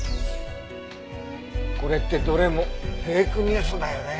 これってどれもフェイクニュースだよね。